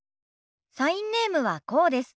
サインネームはこうです。